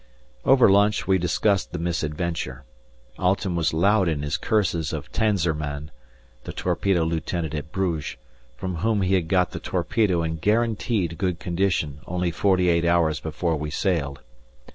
Over lunch we discussed the misadventure. Alten was loud in his curses of Tanzerman (the torpedo lieutenant at Bruges), from whom he had got the torpedo in guaranteed good condition only forty eight hours before we sailed.